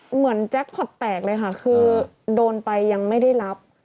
แจ็คพอร์ตแตกเลยค่ะคือโดนไปยังไม่ได้รับ